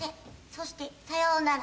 そしてさようなら。